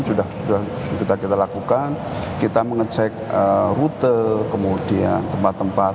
sudah kita lakukan kita mengecek rute kemudian tempat tempat